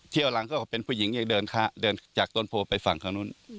หลังก็เป็นผู้หญิงอีกเดินจากต้นโพไปฝั่งข้างนู้น